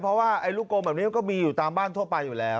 เพราะว่าลูกกลมแบบนี้มันก็มีอยู่ตามบ้านทั่วไปอยู่แล้ว